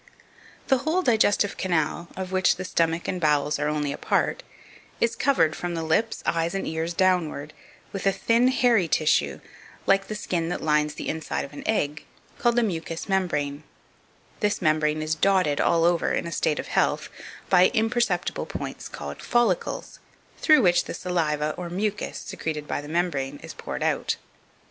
2525. The whole digestive canal, of which the stomach and bowels are only a part, is covered, from the lips, eyes, and ears downwards, with a thin glairy tissue, like the skin that lines the inside of an egg, called the mucous membrane; this membrane is dotted all over, in a state of health, by imperceptible points, called follicles, through which the saliva, or mucous secreted by the membrane, is poured out.